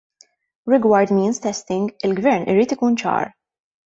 Rigward means testing, il-Gvern irid ikun ċar.